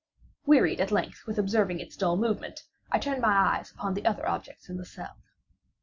Wearied at length with observing its dull movement, I turned my eyes upon the other objects in the cell.